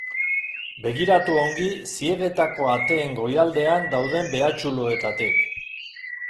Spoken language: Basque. Begiratu ongi ziegetako ateen goialdean dauden behatxuloetatik.